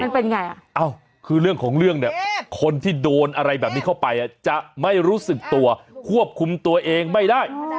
มันเป็นไงอ่ะเอ้าคือเรื่องของเรื่องเนี่ยคนที่โดนอะไรแบบนี้เข้าไปจะไม่รู้สึกตัวควบคุมตัวเองไม่ได้